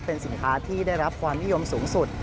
เป็นสินค้าที่ได้รับความนิยมสูงสุด